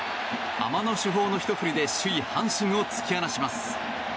ハマの主砲のひと振りで首位、阪神を突き放します。